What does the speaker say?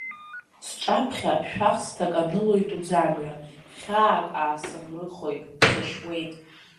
Сҿаԥхьа шәахсҭак анылоит уӡамҩа, хьаак аасыӷрыхоит сашьуеит.